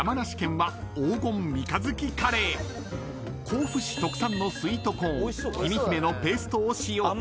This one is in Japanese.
［甲府市特産のスイートコーンきみひめのペーストを使用］